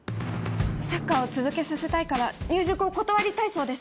サッカーを続けさせたいから入塾を断りたいそうです。